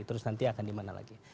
terus nanti akan dimana lagi